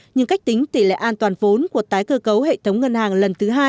nhưng cách tính tỷ lệ an toàn vốn của tái cơ cấu hệ thống ngân hàng lần thứ hai